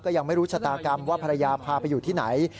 ยังไม่รู้ชะตากรรมว่าภรรยาพาไปอยู่ที่ไหน